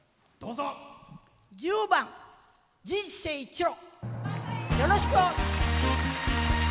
１０番「人生一路」。